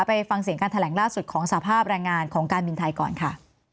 ไปฟังเสียงการแถลงล่าสุดของสภาพแรงงานของการบินไทยก่อนค่ะ